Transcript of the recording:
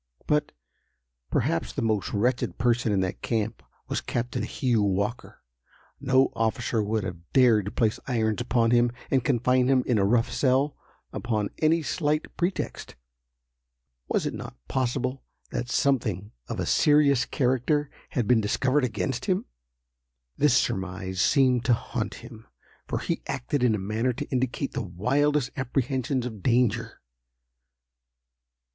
But, perhaps, the most wretched person in that camp was Captain Hugh Walker. No officer would have dared to place irons upon him and confine him in a rough cell, upon any slight pretext. Was it not possible that something of a serious character had been discovered against him? This surmise seemed to haunt him, for he acted in a manner to indicate the wildest apprehensions of danger.